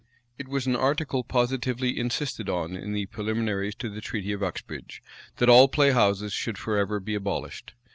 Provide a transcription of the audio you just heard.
It was an article positively insisted on in the preliminaries to the treaty of Uxbridge, that all play houses should forever be abolished.